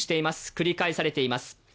繰り返されています。